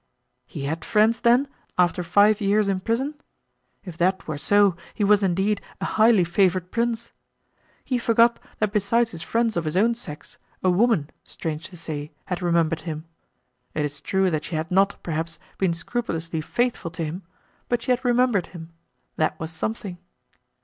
He had friends, then, after five years in prison? If that were so he was indeed a highly favored prince. He forgot that besides his friends of his own sex, a woman, strange to say, had remembered him. It is true that she had not, perhaps, been scrupulously faithful to him, but she had remembered him; that was something.